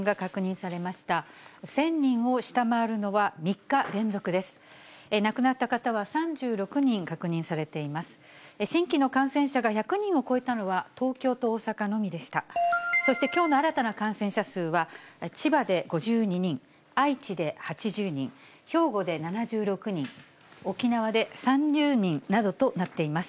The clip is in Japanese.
そしてきょうの新たな感染者数は、千葉で５２人、愛知で８０人、兵庫で７６人、沖縄で３０人などとなっています。